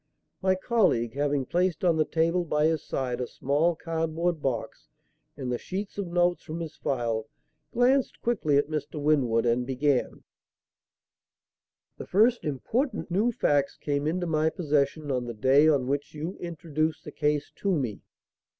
My colleague, having placed on the table by his side a small cardboard box and the sheets of notes from his file, glanced quickly at Mr. Winwood and began: "The first important new facts came into my possession on the day on which you introduced the case to me.